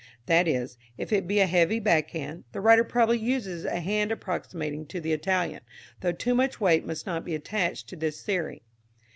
That is, if it be a heavy back hand, the writer probably uses a hand approximating to the Italian, though too much weight must not be attached to this theory.